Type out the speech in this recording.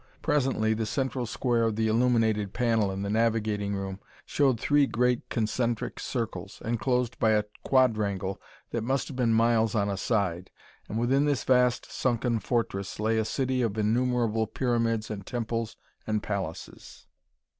Presently the central square of the illuminated panel in the navigating room showed three great concentric circles, enclosed by a quadrangle that must have been miles on a side and within this vast sunken fortress lay a city of innumerable pyramids and temples and palaces.